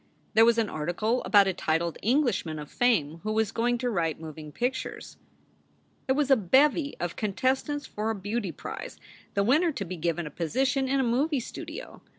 There was an article about a titled Englishman of fame who was going to write moving pictures. There was a bevy of contestants for a beauty prize, the winner to be given a position in a movie studio.